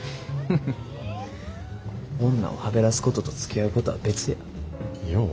フフフッ女をはべらすこととつきあうことは別や。